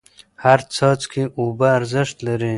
هر څاڅکی اوبه ارزښت لري.